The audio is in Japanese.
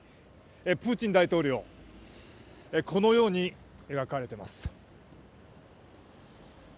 プーチン大統領このように描かれてます。